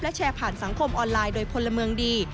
แชร์ผ่านสังคมออนไลน์โดยพลเมืองดี